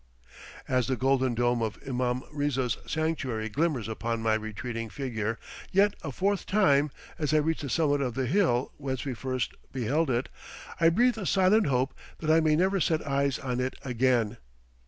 As the golden dome of Imam Riza's sanctuary glimmers upon my retreating figure yet a fourth time as I reach the summit of the hill whence we first beheld it, I breathe a silent hope that I may never set eyes on it again.